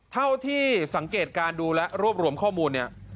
เท่าที่สังเกตการณ์ดูและรวบรวมข้อมูลเนี่ย